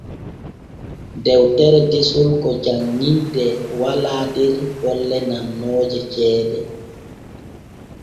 Dewtere desol ko janŋintee walaa der golle nannooje ceede.